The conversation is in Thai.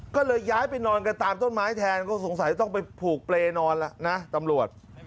ก็เลยย้ายไปนอนกันตามต้นไม้แทนก็สงสัยต้องไปผูกเปรย์นอนแล้วนะตำรวจ